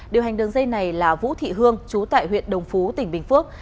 điều hành đường dây này là vũ thị hương chú tại huyện đồng phú tỉnh bình phước